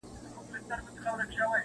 • افسر وویل تا وژنم دلته ځکه -